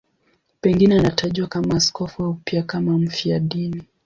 Pengine anatajwa kama askofu au pia kama mfiadini.